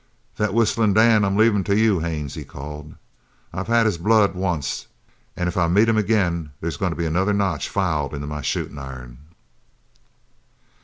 "That Whistlin' Dan I'm leavin' to you, Haines," he called. "I've had his blood onct, an' if I meet him agin there's goin' to be another notch filed into my shootin' iron."